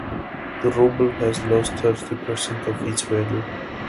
The Ruble has lost thirty percent of its value.